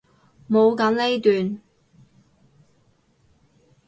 冇噉呢段！